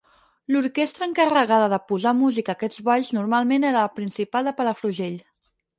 L'orquestra encarregada de posar música a aquests balls normalment era La Principal de Palafrugell.